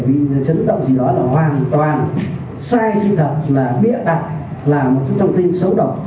vì chấn động gì đó là hoàn toàn sai sinh thật là bia đặc là một thông tin xấu độc